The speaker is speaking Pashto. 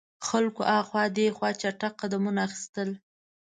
خلکو هاخوا دیخوا چټګ قدمونه اخیستل.